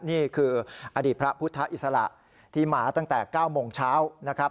นี่คืออดีตพระพุทธอิสระที่มาตั้งแต่๙โมงเช้านะครับ